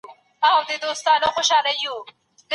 دا مستطيل ته ورته دئ.